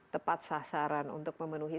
tepat sasaran untuk memenuhi